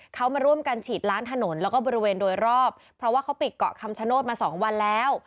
เขามาร่วมกันฉีดล้างถนนแล้วก็บริเวณโดยรอบเพราะว่าเขาปิดเกาะคำชโนธมาสองวันแล้ว